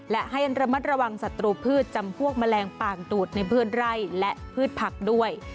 และให้ระมัดระวังศัตรูพืชจำพวกแมลงป่างตูดในพืชไร่และพืชผักด้วย